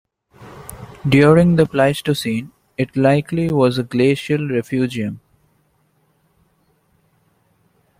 During the Pleistocene it likely was a glacial refugium.